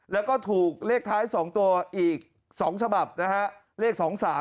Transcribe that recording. แล้วก็ถูกเลขท้าย๒ตัวอีก๒ฉบับนะฮะเลข๒๓